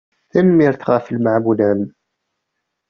Tanemmirt ɣef lemɛawna-m.